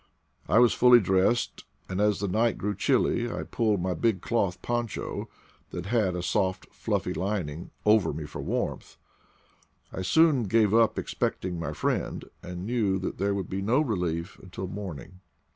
I was fully dressed, and as the night grew chilly I pulled my big cloth poncho, that had a soft fluffy lining, over me for warmth. I soon gave up expecting my friend, and knew that there would be no relief until morn ing.